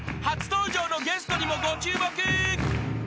［初登場のゲストにもご注目］